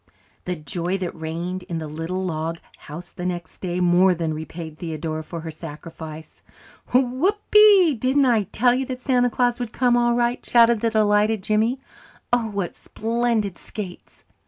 The joy that reigned in the little log house the next day more than repaid Theodora for her sacrifice. "Whoopee, didn't I tell you that Santa Claus would come all right!" shouted the delighted Jimmy. "Oh, what splendid skates!"